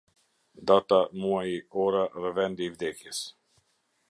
Data muaji, ora dhe vendi i vdekjes.